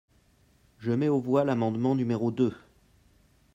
Je mets aux voix l’amendement numéro deux.